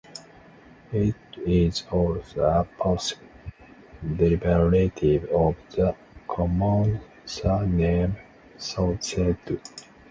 It is also a possible derivative of the common surname Saucedo.